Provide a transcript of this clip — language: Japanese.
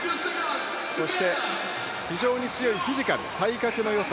そして、非常に強いフィジカル体格のよさ